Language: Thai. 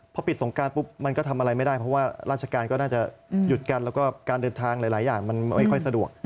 พอปิดสงการปุ๊บมันก็ทำอะไรไม่ได้เพราะว่าราชการก็น่าจะหยุดกันแล้วก็การเดินทางหลายอย่างมันไม่ค่อยสะดวก